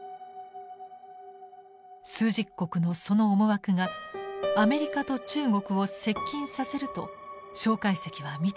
枢軸国のその思惑がアメリカと中国を接近させると介石は見ていたのです。